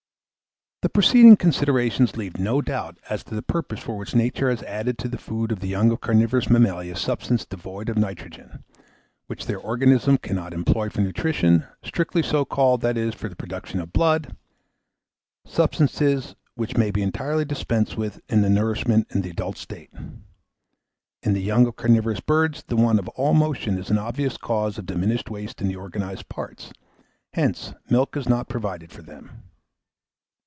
The preceding considerations leave no doubt as to the purpose for which Nature has added to the food of the young of carnivorous mammalia substances devoid of nitrogen, which their organism cannot employ for nutrition, strictly so called, that is, for the production of blood; substances which may be entirely dispensed with in their nourishment in the adult state. In the young of carnivorous birds, the want of all motion is an obvious cause of diminished waste in the organised parts; hence, milk is not provided for them.